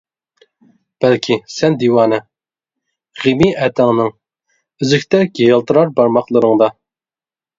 بەلكى، سەن دىۋانە، غېمى ئەتەڭنىڭ، ئۈزۈكتەك يالتىرار بارماقلىرىڭدا.